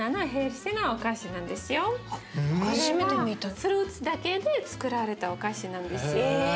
フルーツだけでつくられたお菓子なんですよ。